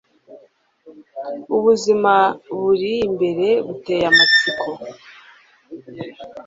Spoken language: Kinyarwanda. ubuzima buri imbere buteye amatsiko